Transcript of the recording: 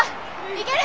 いける。